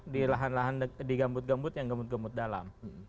di lahan lahan di gambut gambut yang gambut gemut dalam